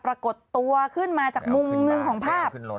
ปรากฏตัวขึ้นมาจากมุมหนึ่งของภาพ